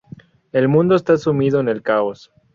El mundo está sumido en el caos.